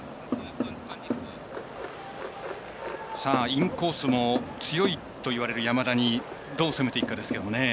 インコースも強いといわれる山田にどう攻めていくかですけどね。